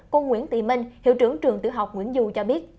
cô nguyễn tị minh hiệu trưởng trường tiểu học nguyễn du cho biết